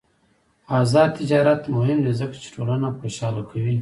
آزاد تجارت مهم دی ځکه چې ټولنه خوشحاله کوي.